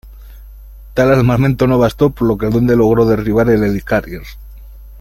Tal armamento no bastó por lo que el Duende logró derribar el Helicarrier.